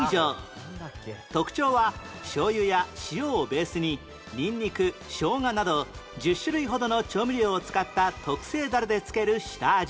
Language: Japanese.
特徴はしょうゆや塩をベースにニンニクショウガなど１０種類ほどの調味料を使った特製ダレで漬ける下味